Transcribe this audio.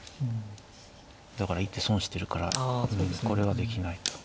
だから一手損してるからこれはできないと。